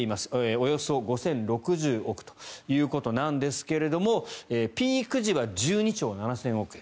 およそ５０６０億円ということなんですけれどもピーク時は１２兆７０００億円。